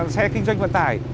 xe kinh doanh vận tải